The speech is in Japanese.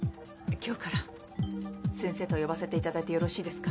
今日から先生と呼ばせていただいてよろしいですか？